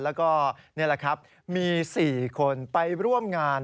แล้วก็นี่แหละครับมี๔คนไปร่วมงาน